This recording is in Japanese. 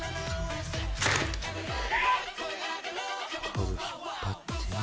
これを引っ張って。